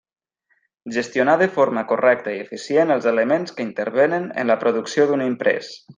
Gestionar de forma correcta i eficient els elements que intervenen en la producció d'un imprés.